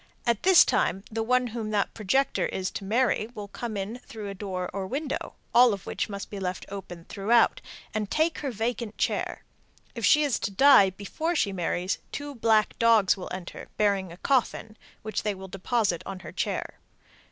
At this time the one whom that projector is to marry will come in through a door or window (all of which must be left open throughout) and take her vacant chair. If she is to die before she marries, two black dogs will enter, bearing a coffin, which they will deposit on her chair.